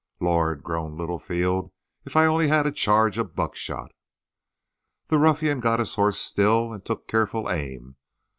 "Lord!" groaned Littlefield. "If I only had a charge of buckshot!" The ruffian got his horse still, and took careful aim.